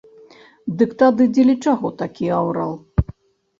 Дык тады дзеля чаго такі аўрал?